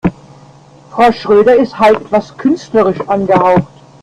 Frau Schröder ist halt etwas künstlerisch angehaucht.